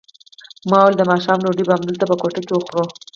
ما وویل د ماښام ډوډۍ به همدلته په کوټه کې وخورو.